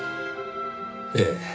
ええ。